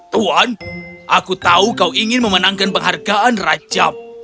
tuan aku tahu kau ingin memenangkan penghargaan rajab